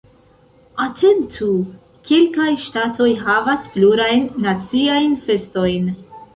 Atentu: Kelkaj ŝtatoj havas plurajn naciajn festojn.